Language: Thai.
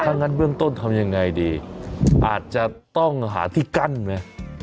ถ้างั้นเบื้องต้นทำยังไงดีอาจจะต้องหาที่กั้นไหม